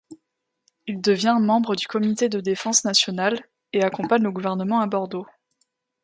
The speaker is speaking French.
Il devient membre du Comité de défense nationale et accompagne le gouvernement à Bordeaux.